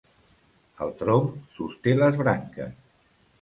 El tronc sosté les branques.